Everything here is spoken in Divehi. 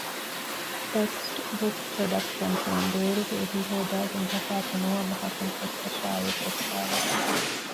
ޓެކްސްޓް ބުކް ޕްރޮޑަކްޝަންސް އިން ބޭރުގެ އެހީ ހޯދައިގެން ތަފާތު ނުވަ ބަހަކުން ފޮަތްތައް ޝާއިއު ކޮށްފައިވެ